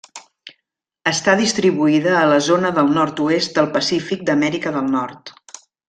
Està distribuïda a la zona del Nord-oest del Pacífic d'Amèrica del Nord.